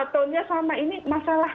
tone nya sama ini masalah